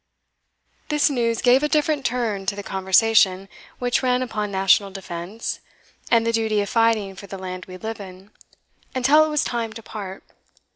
This news gave a different turn to the conversation, which ran upon national defence, and the duty of fighting for the land we live in, until it was time to part.